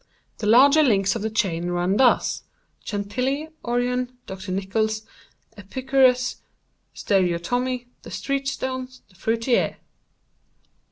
The larger links of the chain run thus—Chantilly, Orion, Dr. Nichols, Epicurus, Stereotomy, the street stones, the fruiterer."